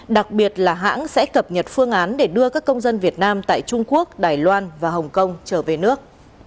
đặc biệt là hãng sẽ cập nhật phương án để đưa các công dân việt nam tại trung quốc đài loan và hồng kông trở về nước